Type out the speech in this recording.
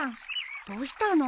どうしたの？